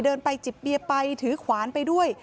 เดินไปจิบเบียร์ไปถือขวานไปด้วย